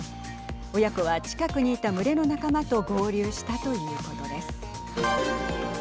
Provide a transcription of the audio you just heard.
親子は近くにいた群れの仲間と合流したということです。